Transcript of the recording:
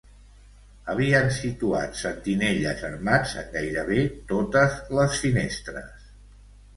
Havien situat sentinelles armats en gairebé totes les finestres